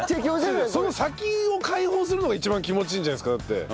その先を解放するのが一番気持ちいいんじゃないですかだって。